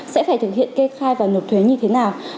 sẽ phải thực hiện kê khai và nộp thuế như thế nào